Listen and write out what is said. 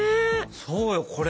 そうよこれ。